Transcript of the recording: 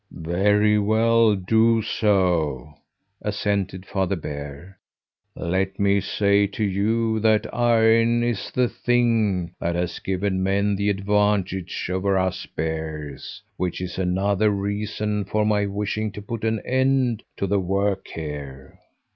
"Very well, do so," assented Father Bear. "Let me say to you that iron is the thing that has given men the advantage over us bears, which is another reason for my wishing to put an end to the work here."